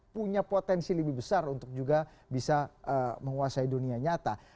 punya potensi lebih besar untuk juga bisa menguasai dunia nyata